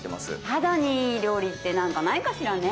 肌にいい料理って何かないかしらね。